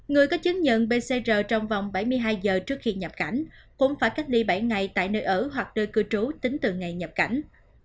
người có chứng nhận bcr trong vòng bảy mươi hai giờ trước khi nhập cảnh cũng phải cách ly bảy ngày tại nơi ở hoặc nơi cư trú tính từ ngày nhập cảnh